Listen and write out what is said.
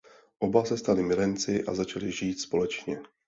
Oba se stali milenci a začali žít společně.